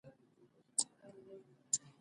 پاکي د ایمان برخه ده